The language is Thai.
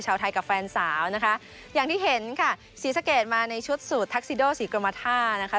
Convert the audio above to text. ชาวไทยกับแฟนสาวนะคะอย่างที่เห็นค่ะศรีสะเกดมาในชุดสูตรทักซิโดศรีกรมท่านะคะ